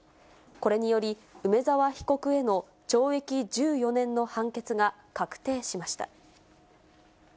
これにより、梅沢被告への懲役１４年の判決が確定しました。